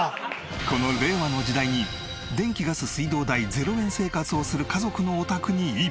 この令和の時代に電気ガス水道代０円生活をする家族のお宅に１泊。